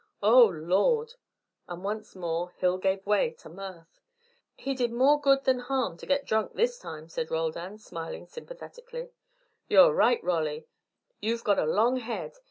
Oh, Lord!" And once more Hill gave way to mirth. "He did more good than harm to get drunk this time," said Roldan, smiling sympathetically. "You're right, Rolly. You've got a long head.